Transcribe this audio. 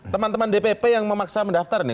teman teman dpp yang memaksa mendaftar nih